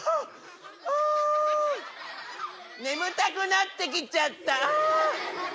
あ眠たくなってきちゃった。